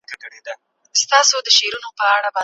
مارکیټ درک کړې.